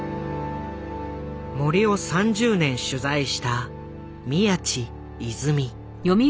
森を３０年取材した宮智泉。